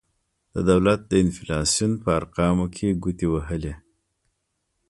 د دولت د انفلاسیون په ارقامو کې ګوتې وهلي.